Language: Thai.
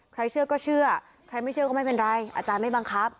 เชื่อก็เชื่อใครไม่เชื่อก็ไม่เป็นไรอาจารย์ไม่บังคับ